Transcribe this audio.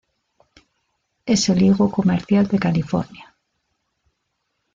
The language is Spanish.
Es el higo comercial de California.